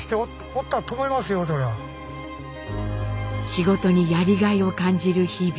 仕事にやりがいを感じる日々。